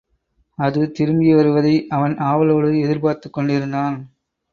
அது திரும்பி வருவதை அவன் ஆவலோடு எதிர்பார்த்துக் கொண்டிருந்தான்.